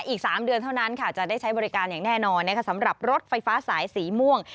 อีก๓เดือนเท่านั้นจะได้ใช้บริการอย่างแน่นอนสำหรับรถไฟฟ้าสายสีม่วง